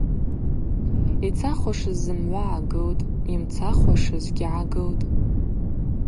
Йцахуашыз зымгӏва гӏагылтӏ, йымцахуашызгьи гӏагылтӏ.